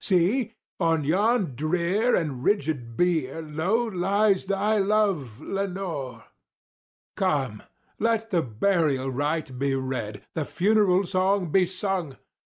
See! on yon drear and rigid bier low lies thy love, Lenore! Come! let the burial rite be read—the funeral song be sung!